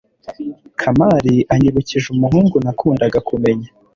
kamari anyibukije umuhungu nakundaga kumenya